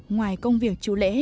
ngoài công việc chủ lễ